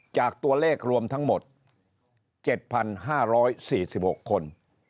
จากตัวเลขรวมทั้งหมด๗๕๔๖คน